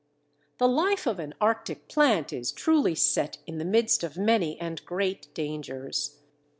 The life of an Arctic plant is truly set in the midst of many and great dangers.